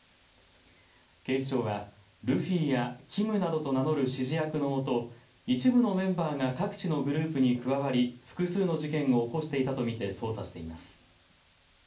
警視庁はルフィやキムなどと名乗る指示役のもと一部のメンバーが各地のグループに加わり複数の事件を起こしていたと見て捜査しています。